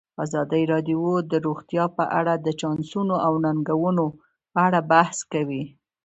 ازادي راډیو د روغتیا په اړه د چانسونو او ننګونو په اړه بحث کړی.